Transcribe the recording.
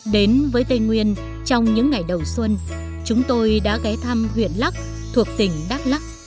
đến với tây nguyên trong những ngày đầu xuân chúng tôi đã ghé thăm huyện lắc thuộc tỉnh đắk lắc